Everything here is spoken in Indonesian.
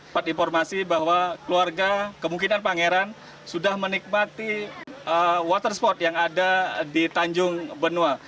dapat informasi bahwa keluarga kemungkinan pangeran sudah menikmati water sport yang ada di tanjung benua